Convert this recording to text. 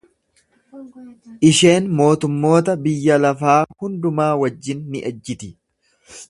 Isheen mootummoota biyya lafaa hundumaa wajjin ni ejjiti.